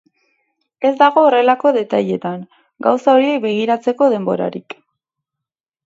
Ez dago horrelako detailetan, gauza horiek begiratzeko denhbborarik.